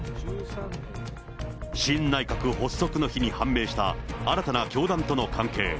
新内閣発足の日に判明した新たな教団との関係。